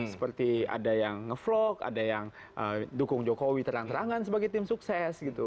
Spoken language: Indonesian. seperti ada yang ngevlog ada yang dukung jokowi terang terangan sebagai tim sukses gitu